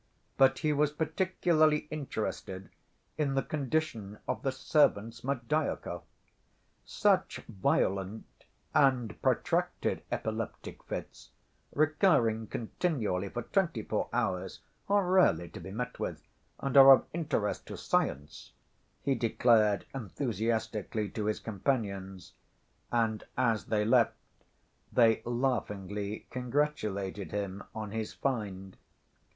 But he was particularly interested in the condition of the servant, Smerdyakov. "Such violent and protracted epileptic fits, recurring continually for twenty‐four hours, are rarely to be met with, and are of interest to science," he declared enthusiastically to his companions, and as they left they laughingly congratulated him on his find.